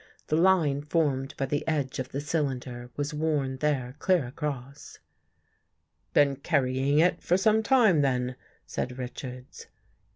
The line formed by the edge of the cylinder was worn there clear across. "Been carrying it for some time, then?" said Richards.